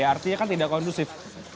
artinya kan tidak kondusif